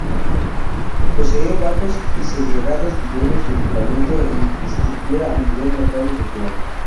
Posee bajos y segregados niveles de equipamiento e infraestructura a nivel local y regional.